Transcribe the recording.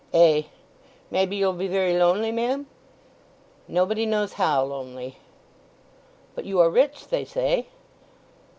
"Ay! Maybe you'll be very lonely, ma'am?" "Nobody knows how lonely." "But you are rich, they say?"